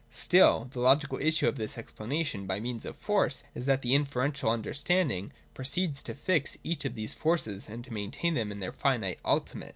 Still the logical issue of this explanation by means of forces is that the inferential understanding pro ceeds to fix each of these forces, and to maintain them in their finitude as ultimate.